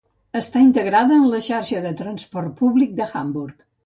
Està integrada en la xarxa de transport públic d'Hamburg.